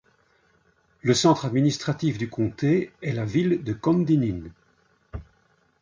Le centre administratif du comté est la ville de Kondinin.